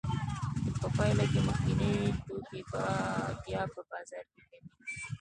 په پایله کې مخکیني توکي بیا په بازار کې کمېږي